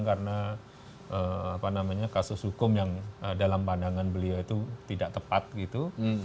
karena apa namanya kasus hukum yang dalam pandangan beliau itu tidak tepat gitu